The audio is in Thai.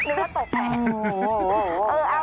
หรือว่าตกแปะ